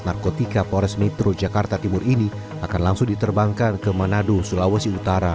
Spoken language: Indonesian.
narkotika polres metro jakarta timur ini akan langsung diterbangkan ke manado sulawesi utara